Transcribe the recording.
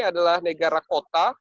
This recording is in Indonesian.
adalah negara kota